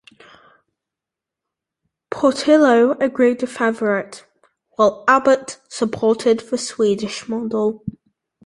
Portillo agreed with Everett, while Abbott supported the Swedish model.